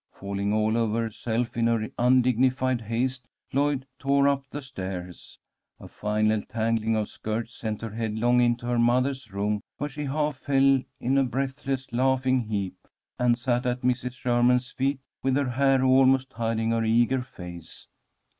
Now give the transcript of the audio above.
Falling all over herself in her undignified haste, Lloyd tore up the stairs. A final tangling of skirts sent her headlong into her mother's room, where she half fell in a breathless, laughing heap, and sat at Mrs. Sherman's feet with her hair almost hiding her eager face.